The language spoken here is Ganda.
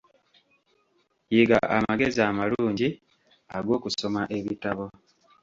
Yiga amagezi amalungi ag'okusoma ebitabo.